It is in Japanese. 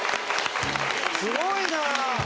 すごいな。